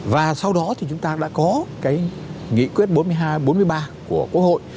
và sau đó thì chúng ta đã có cái nghị quyết bốn mươi hai bốn mươi ba của quốc hội